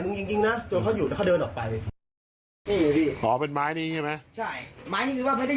พี่ผมวิ่งมาช่วยพี่เขย